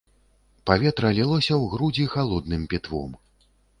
Паветра лілося ў грудзі халодным пітвом.